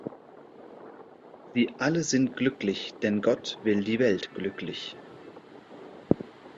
Sie alle sind glücklich, denn Gott will die Welt glücklich.